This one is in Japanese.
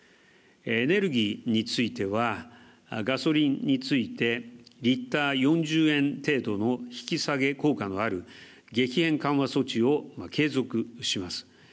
エネルギーについてはガソリンについて、リッター４０円程度の引き下げ効果のある激減緩和措置を継続します。